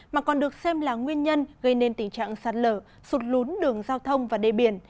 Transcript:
mà còn được xem là nguyên nhân gây nên tình trạng sạt lở sụt lún đường giao thông và đề biển